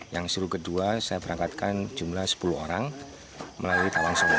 yang seru kedua saya berangkatkan jumlah sepuluh orang melalui kawan solo